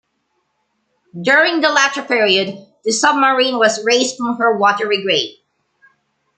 During the latter period, the submarine was raised from her watery grave.